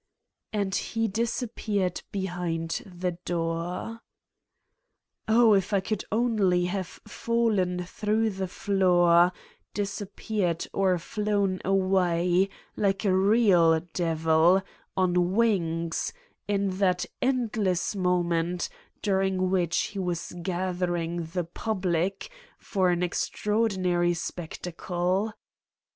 And he disappeared behind the door. Oh, if I could only have fallen through the floor, disappeared or flown away, like a real devil, on wings, in that endless moment, during which he was gathering the public for an extraordinary spectacle.